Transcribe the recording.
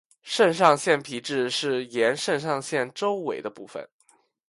肾上腺皮质是沿肾上腺周围的部分。